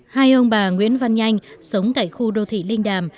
hai ông bà nguyễn văn nhanh sống tại khu đô thị linh đàm